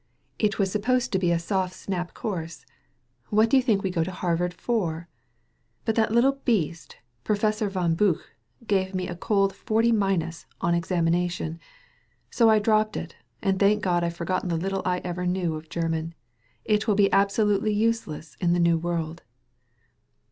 It was supposed to be a 141 THE VALLEY OF VISION soft snap course. What do you think we go to Har vard for ? But that little beast, Professor von Buch, gave me a cold forty minus on examination. So I dropped it, and thank God I've forgotten the little I ever knew of German ! It will be absolutely useless in the new world."